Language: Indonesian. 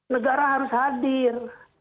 negara harus hadir